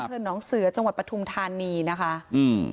อำเภอน้องเสือจังหวัดปทุมธานีนะคะอืม